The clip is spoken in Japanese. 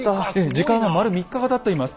時間は丸３日がたっています。